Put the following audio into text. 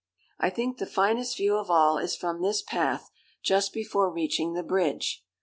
I think the finest view of all is from this path, just before reaching the bridge.